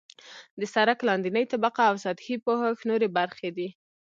د سرک لاندنۍ طبقه او سطحي پوښښ نورې برخې دي